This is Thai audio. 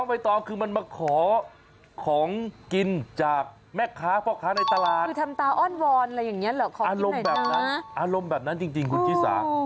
อารมณ์แบบนั้นอารมณ์แบบนั้นจริงคุณฮิศา